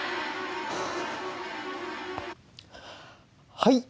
はい。